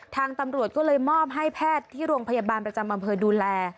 ทางตำรวจก็เลยมอบให้แพทย์ที่โรงพยาบาลประจำอำเภอดูแล